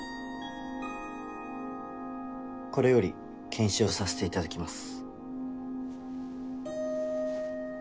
これより検視をさせていただきます。